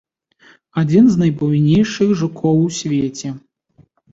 Адзін з найбуйнейшых жукоў у свеце.